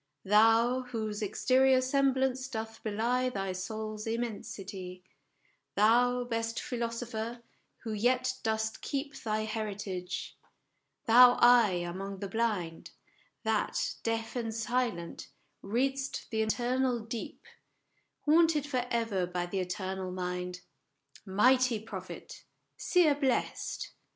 Thou, whose exterior semblance doth belie Thy soul's immensity ; Thou best philosopher, who yet dost keep Thy heritage ; thou eye among the blind, That, deaf and silent, read'st the eternal deep, Haunted for ever by the eternal mind Mighty Prophet ! Seer blest